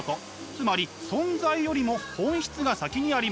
つまり存在よりも本質が先にあります。